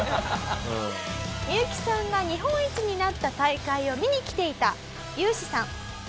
ミユキさんが日本一になった大会を見に来ていたユウシさん。